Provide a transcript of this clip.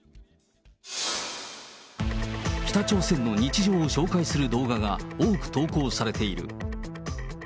北朝鮮の日常を紹介する動画が多く投稿されている。